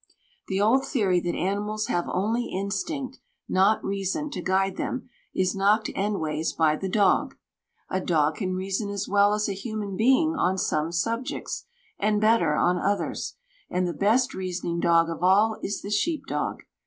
The old theory that animals have only instinct, not reason, to guide them, is knocked endways by the dog. A dog can reason as well as a human being on some subjects, and better on others, and the best reasoning dog of all is the sheep dog.